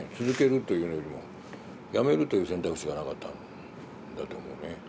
続けるというよりもやめるという選択肢がなかったんだと思うね。